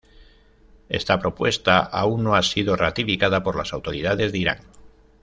Esta propuesta aun no ha sido ratificada por las autoridades de Irán.